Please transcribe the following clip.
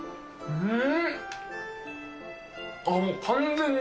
うん！